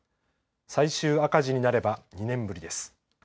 最終赤字になれば２年ぶりです。